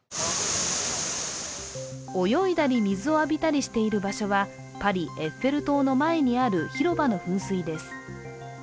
泳いだり、水を浴びたりしている場所はパリ・エッフェル塔の前にある広場の噴水です。